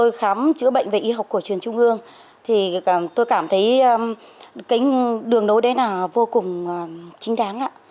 tôi khám chữa bệnh về y học cổ truyền trung ương thì tôi cảm thấy cái đường nối đấy là vô cùng chính đáng